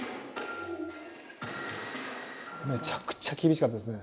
めちゃくちゃ厳しかったですね。